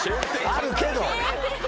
あるけど。